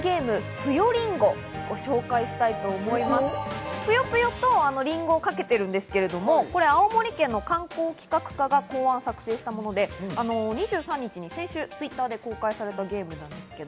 『ぷよぷよ』とりんごをかけているんですけれども、青森県の観光企画課が考案・作成したもので、２３日、先週、Ｔｗｉｔｔｅｒで公開されたゲームです。